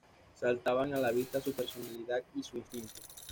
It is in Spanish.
Saltaban a la vista su personalidad y su instinto.